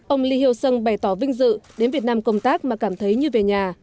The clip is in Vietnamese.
ông lee hyo seong bày tỏ vinh dự đến việt nam công tác mà cảm thấy như về nhà